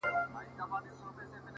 څومره دي ښايست ورباندي ټك واهه،